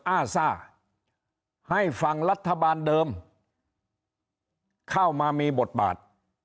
อ้าซ่าให้ฝั่งรัฐบาลเดิมเข้ามามีบทบาท